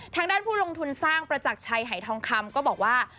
ทางด้านผู้ลงทุนสร้างประจักรชัยหายทองคำก็บอกว่า